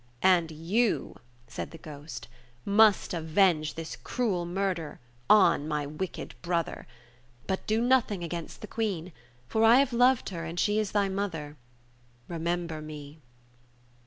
And you," said the ghost, "must avenge this cruel murder — on my wicked brother. But do nothing against the Queen — for I have loved her, and she is thy mother. Remember me."